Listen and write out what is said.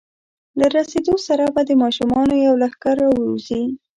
له رسېدو سره به د ماشومانو یو لښکر راوځي.